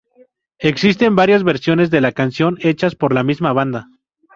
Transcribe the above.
Existen varias versiones de la canción hechas por la misma banda.